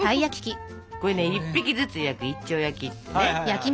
これね１匹ずつ焼く「一丁焼き」ってね。